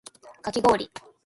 かき氷